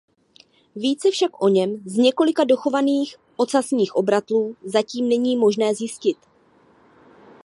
Více však o něm z několika dochovaných ocasních obratlů zatím není možné zjistit.